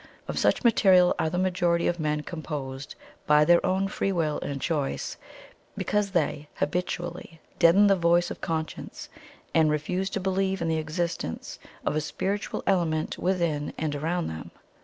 Of such material are the majority of men composed BY THEIR OWN FREE WILL AND CHOICE, because they habitually deaden the voice of conscience and refuse to believe in the existence of a spiritual element within and around them.